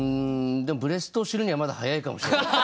でもブレストを知るにはまだ早いかもしれない。